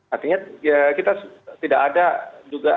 artinya ya kita tidak ada juga